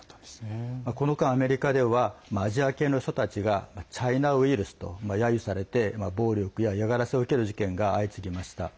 この間、アメリカではアジア系の人たちがチャイナウイルスとやゆされて暴力や嫌がらせを受ける事件が相次ぎました。